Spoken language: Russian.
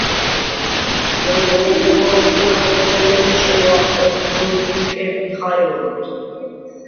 Разговор Вронского и Голенищева о художнике Михайлове.